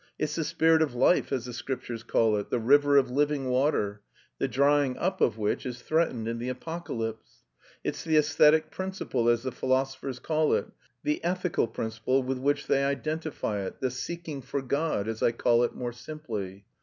It's the spirit of life, as the Scriptures call it, 'the river of living water,' the drying up of which is threatened in the Apocalypse. It's the æsthetic principle, as the philosophers call it, the ethical principle with which they identify it, 'the seeking for God,' as I call it more simply.